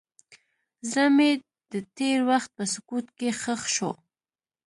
زړه مې د تېر وخت په سکوت کې ښخ شو.